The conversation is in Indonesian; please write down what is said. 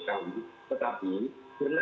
tetapi pernegaranya tidak bisa berhenti